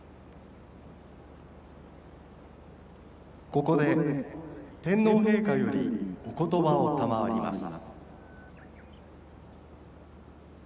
「ここで天皇陛下よりおことばを賜ります」。